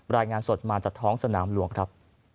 รายงานสดมาจากท้องสนามหลวงครับ